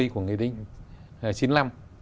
của nghị định chín mươi năm